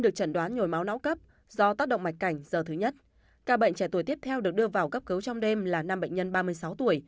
các bệnh trẻ tuổi tiếp theo được đưa vào cấp cứu trong đêm là năm bệnh nhân ba mươi sáu tuổi